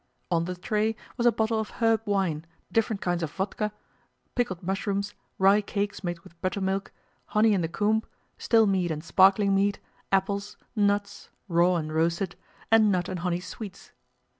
On the tray was a bottle of herb wine, different kinds of vodka, pickled mushrooms, rye cakes made with buttermilk, honey in the comb, still mead and sparkling mead, apples, nuts (raw and roasted), and nut and honey sweets.